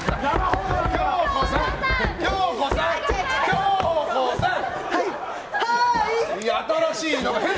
京子さん！